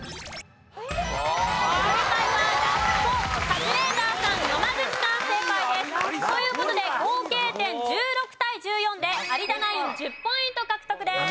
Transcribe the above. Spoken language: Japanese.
カズレーザーさん野間口さん正解です。という事で合計点１６対１４で有田ナイン１０ポイント獲得です。